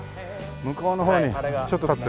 向こうの方にちょっと立ってるね。